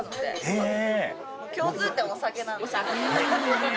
へぇ。